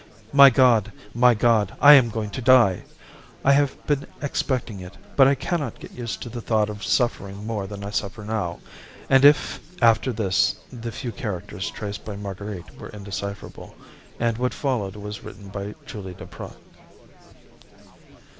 My God! My God! I am going to die! I have been expecting it, but I can not get used to the thought of suffering more than I suffer now, and if— After this the few characters traced by Marguerite were indecipherable, and what followed was written by Julie Duprat.